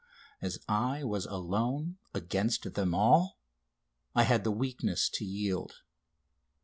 As I was alone against them all I had the weakness to yield.